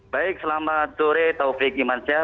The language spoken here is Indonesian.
baik selamat sore taufik iman syah